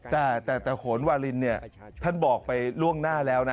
แต่โหนวาลินท่านบอกไปร่วงหน้าแล้วนะ